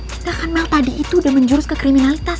tidak kan mel tadi itu udah menjurus ke kriminalitas